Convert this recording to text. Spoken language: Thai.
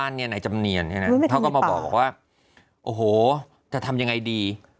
บ้านเนี่ยไหนจะมันเนียนเขาก็มาบอกว่าโอ้โหจะทำยังไงดี